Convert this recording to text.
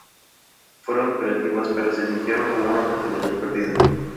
Fueron creativas, pero se sintieron como una oportunidad perdida".